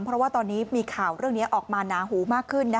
เพราะว่าตอนนี้มีข่าวเรื่องนี้ออกมาหนาหูมากขึ้น